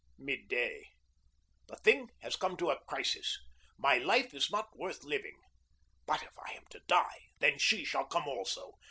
Mid day. The thing has come to a crisis. My life is not worth living. But, if I am to die, then she shall come also.